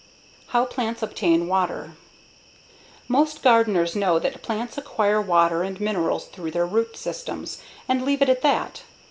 How Plants Obtain Water Most gardeners know that plants acquire water and minerals through their root systems, and leave it at that.